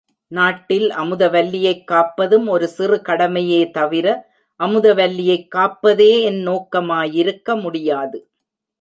நாட்டில் அமுதவல்லியைக் காப்பதும் ஒரு சிறு கடமையே தவிர அமுதவல்லியைக் காப்பதே என் நோக்கமாயிருக்க முடியாது.